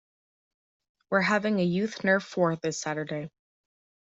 We're having a youth nerf war this Saturday.